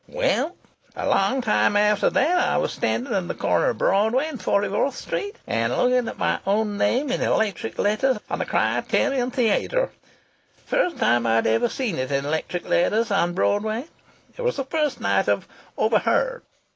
Well, a long time after that I was standing at the corner of Broadway and Forty fourth Street, and looking at my own name in electric letters on the Criterion Theatre. First time I'd ever seen it in electric letters on Broadway. It was the first night of 'Overheard.'